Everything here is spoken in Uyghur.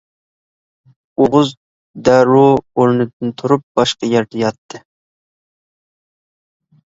ئوغۇز دەررۇ ئورنىدىن تۇرۇپ، باشقا يەردە ياتتى.